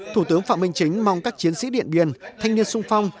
thủ tướng phạm minh chính mong các chiến sĩ điện biên thanh niên sung phong